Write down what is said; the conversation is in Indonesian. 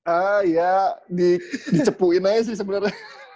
ah ya dicepuin aja sih sebenarnya